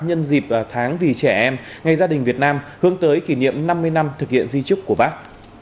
nhân dịp tháng vì trẻ em ngày gia đình việt nam hướng tới kỷ niệm năm mươi năm thực hiện di trúc của bác